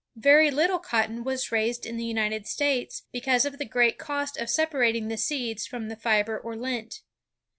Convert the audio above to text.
Very little cotton was raised in the United States, because of the great cost of separating the seeds from the fiber or lint.